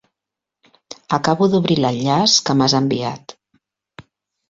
Acabo d'obrir l'enllaç que m'has enviat.